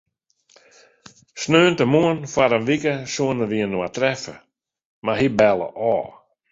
Sneontemoarn foar in wike soene wy inoar treffe, mar hy belle ôf.